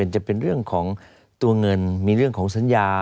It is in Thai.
จะเป็นเรื่องของตัวเงินมีเรื่องของสัญญา